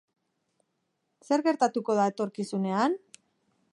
Zer gertatuko da etorkizunean?